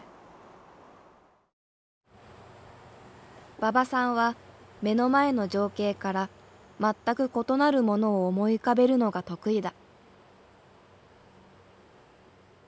馬場さんは目の前の情景から全く異なるものを思い浮かべるのが得意だ。